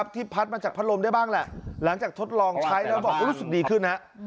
ที่พัดมาจากพัดลมได้บ้างแหละหลังจากทดลองใช้แล้วบอกรู้สึกดีขึ้น